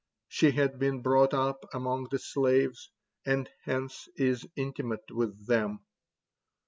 She had been brought up among the slaves, and hence is intimate with them."